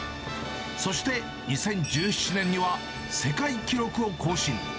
そして２０１７年には、世界記録を更新。